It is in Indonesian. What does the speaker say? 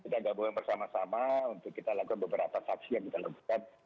kita gabungkan bersama sama untuk kita lakukan beberapa saksi yang kita lakukan